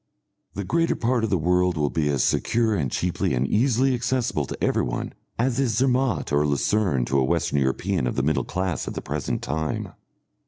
The greater part of the world will be as secure and cheaply and easily accessible to everyone as is Zermatt or Lucerne to a Western European of the middle class at the present time.